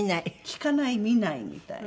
聞かない見ないみたいな。